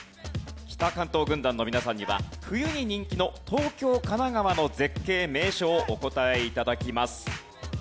北関東軍団の皆さんには冬に人気の東京・神奈川の絶景・名所をお答え頂きます。